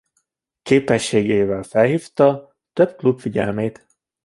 Képességeivel felhívta több klub figyelmét.